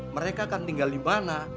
mereka kan tinggal dimana